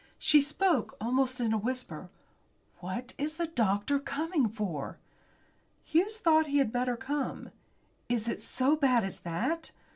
She spoke almost in a whisper. "What is the doctor coming for?" "Hughes thought that he had better come." "Is it so bad as that?